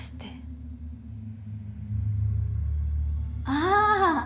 ああ。